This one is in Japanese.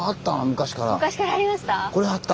昔からありました？